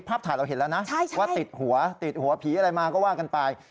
ถ่ายเราเห็นแล้วนะว่าติดหัวติดหัวผีอะไรมาก็ว่ากันไป